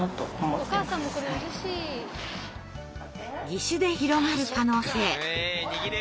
義手で広がる可能性。